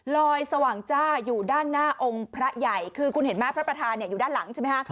สว่างจ้าอยู่ด้านหน้าองค์พระใหญ่คือคุณเห็นไหมพระประธานอยู่ด้านหลังใช่ไหมคะ